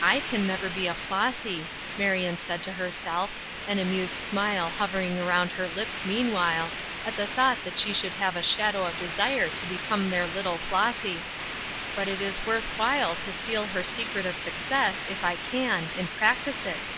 "I can never be Flossy," Marion said to herself, an amused smile hovering around her lips meanwhile, at the thought that she should have a shadow of desire to become their little Flossy. "But it is worth while to steal her secret of success, if I can, and practise it."